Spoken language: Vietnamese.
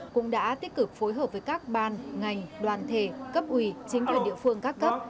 cũng đã tích cực phối hợp với các ban ngành đoàn thể cấp ủy chính quyền địa phương các cấp